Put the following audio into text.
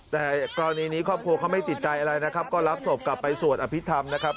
แต่กรณีนี้ครอบครัวเขาไม่ติดใจอะไรนะครับก็รับศพกลับไปสวดอภิษฐรรมนะครับ